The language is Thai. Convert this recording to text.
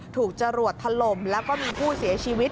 จรวดถล่มแล้วก็มีผู้เสียชีวิต